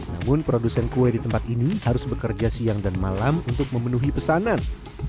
namun produsen kue di tempat ini harus bekerja siang dan malam untuk memenuhi pesanan